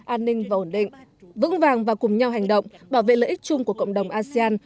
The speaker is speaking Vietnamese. an ninh và ổn định vững vàng và cùng nhau hành động bảo vệ lợi ích chung của cộng đồng asean